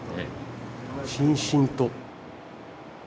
しんしんと。